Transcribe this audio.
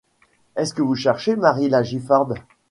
Est-ce que vous cherchez Marie la Giffarde ?